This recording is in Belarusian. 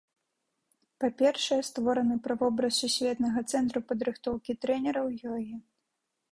Па-першае, створаны правобраз сусветнага цэнтру падрыхтоўкі трэнераў ёгі.